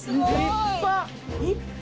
立派！